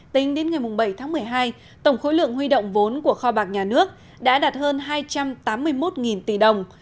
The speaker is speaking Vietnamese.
tính đến ngày bảy tháng một mươi hai tổng khối lượng huy động vốn của kho bạc nhà nước đã đạt hơn hai trăm tám mươi một tỷ đồng